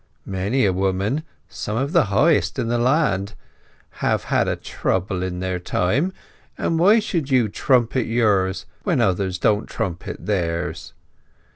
Many a woman—some of the Highest in the Land—have had a Trouble in their time; and why should you Trumpet yours when others don't Trumpet theirs?